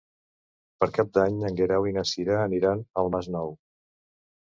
Per Cap d'Any en Guerau i na Cira aniran al Masnou.